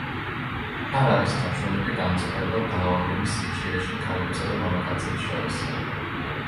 არ არის ნაჩვენები განსხვავება დაავადების სიხშირეში ქალებსა და მამაკაცებს შორის.